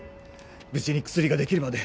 無事に薬ができるまで